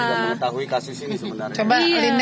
dia juga mengetahui kasih sini sebenarnya